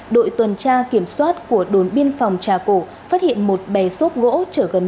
đội tuần tra kiểm soát của đồn biên phòng trà cổ phát hiện một bè xốp gỗ chở gần một mươi tám con gà giống không rõ nguồn gốc